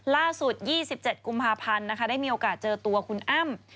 ๒๗กุมภาพันธ์นะคะได้มีโอกาสเจอตัวคุณอ้ำ